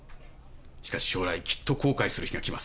しかし将来きっと後悔する日が来ます。